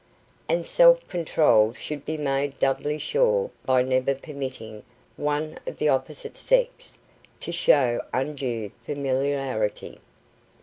And self control should be made doubly sure by never permitting one of the opposite sex to show undue familiarity.